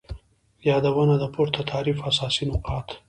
یادونه : د پورته تعریف اساسی نقاط